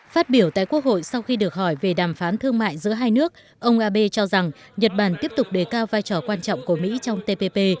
phát biểu tại quốc hội sau khi được hỏi về đàm phán thương mại giữa hai nước ông abe cho rằng nhật bản tiếp tục đề cao vai trò quan trọng của mỹ trong tpp